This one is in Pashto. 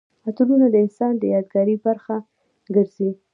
عطرونه د انسان د یادګار برخه ګرځي.